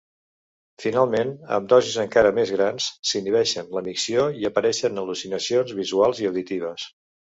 Finalment amb dosis encara més grans, s'inhibeix la micció i apareixen al·lucinacions visuals i auditives.